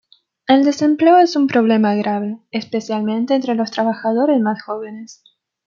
El desempleo es un problema grave, especialmente entre los trabajadores más jóvenes.